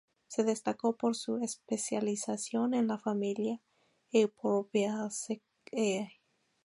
Se destacó por su especialización en la familia Euphorbiaceae.